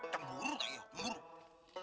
temur ayo temur